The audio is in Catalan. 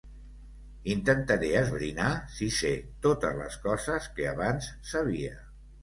Intentaré esbrinar si sé totes les coses que abans sabia.